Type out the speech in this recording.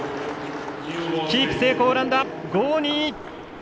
キープ成功、オランダ、５−２！